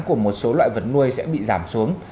của một số loại vật nuôi sẽ bị giảm xuống